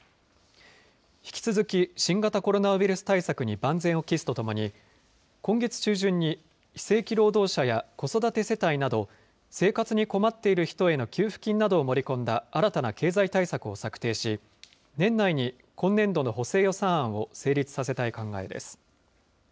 引き続き新型コロナウイルス対策に万全を期すとともに、今月中旬に、非正規労働者や子育て世帯など、生活に困っている人への給付金などを盛り込んだ新たな経済対策を策定し、年内に今年度の補正予算案を成立させたい考えです。